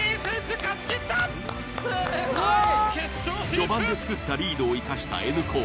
序盤で作ったリードを活かしたＮ高。